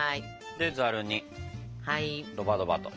でザルにドバドバと。